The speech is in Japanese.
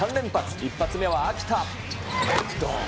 １発目は秋田。